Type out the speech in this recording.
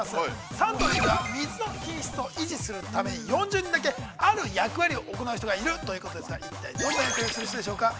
サントリーでは、水の品質を維持するために、４０人だけ、ある役割を行う人がいるということですが、一体どんな役割をする人でしょうか。